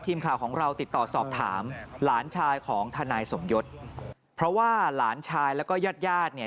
ทีมข่าวของเราติดต่อสอบถามหลานชายของทนายสมยศเพราะว่าหลานชายแล้วก็ญาติญาติเนี่ย